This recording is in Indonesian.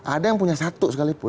ada yang punya satu sekalipun